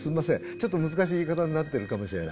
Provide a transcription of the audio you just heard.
ちょっと難しい言い方になってるかもしれない。